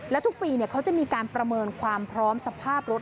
และทุกปีเขาจะมีการประเมินความพร้อมสภาพรถ